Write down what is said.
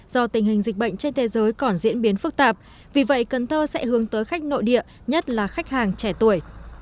do tình hình dịch bệnh trên thế giới còn diễn biến phức tạp vì vậy cần thơ sẽ hướng tới khách nội địa nhất là khách hàng trẻ tuổi